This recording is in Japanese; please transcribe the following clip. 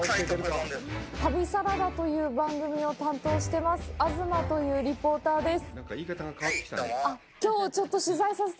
旅サラダという番組を担当してます東というリポーターです。